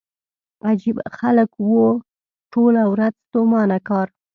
عجيبه خلک وو ټوله ورځ ستومانه کار.